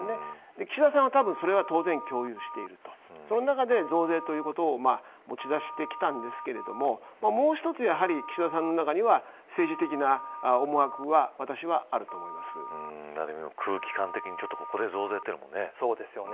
岸田さんはたぶんそれを共有している中で増税を持ち出してきたんですがもう一つ、岸田さんの中には政治的な思惑は空気感的にここで増税というのもね。